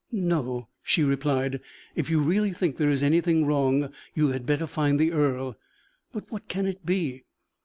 "No," she replied; "if you really think there is anything wrong, you had better find the earl. But what can it be?